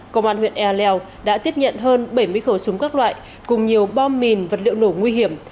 công an huyện ea leo đã tiếp nhận hơn bảy mươi khẩu súng các loại cùng nhiều bom mìn vật liệu nổ nguy hiểm